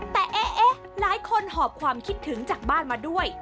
แต่เอ๊ะหลายคนหอบความคิดถึงจากบ้านมาด้วย